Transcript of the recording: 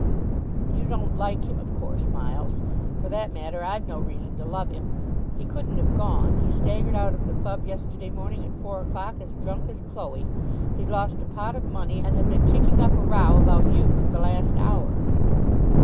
"You don't like him, of course, Miles. For that matter I've no reason to love him. He couldn't have gone. He staggered out of the club yesterday morning at four o'clock as drunk as Cloe. He'd lost a pot of money, and had been kicking up a row about you for the last hour."